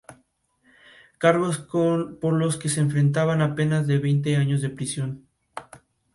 La Instituciones para este nivel educacional son: Universidad Católica "Nuestra Sra.